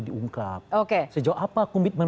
diungkap sejauh apa komitmen